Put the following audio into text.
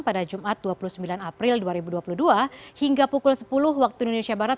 pada jumat dua puluh sembilan april dua ribu dua puluh dua hingga pukul sepuluh waktu indonesia barat